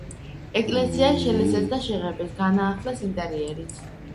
ეკლესია შელესეს და შეღებეს, განაახლეს ინტერიერიც.